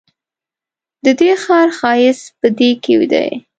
ددې ښار ښایست په دې کې دی.